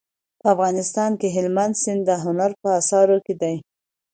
په افغانستان کې هلمند سیند د هنر په اثارو کې دی.